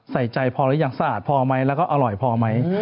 ใส่ใจพอหรือยังสะอาดพอไหมแล้วก็อร่อยพอไหม